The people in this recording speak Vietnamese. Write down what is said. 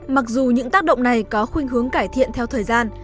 mặc dù những tác động này có khuyên hướng cải thiện theo thời gian